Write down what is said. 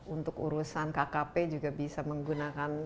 untuk urusan kkp juga bisa menggunakan